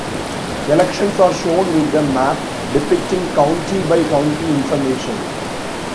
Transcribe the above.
Elections are shown with a map depicting county-by-county information.